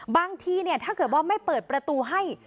บางทีถ้าเกิดว่าไม่เปิดประตูให้